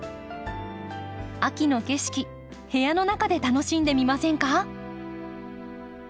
秋の景色部屋の中で楽しんでみませんか？